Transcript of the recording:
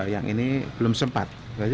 yang ini belum sempat